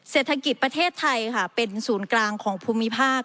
เศรษฐกิจประเทศไทยค่ะเป็นศูนย์กลางของภูมิภาค